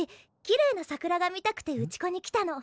きれいな桜が見たくて内子に来たの。